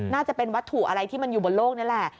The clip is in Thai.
น่าจะเป็นวัตถุอะไรที่มันอยู่บนโลกนี่แหละ